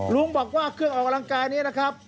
ลุงบอกว่าเครื่องออกกำลังกายนี้นะครับ